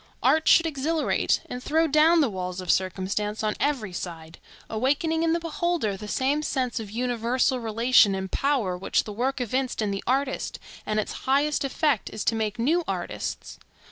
Art should exhilarate, and throw down the walls of circumstance on every side, awakening in the beholder the same sense of universal relation and power which the work evinced in the artist, and its highest effect is to make new artists.